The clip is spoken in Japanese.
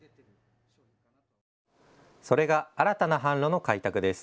それが新たな販路の開拓です。